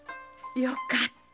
よかった。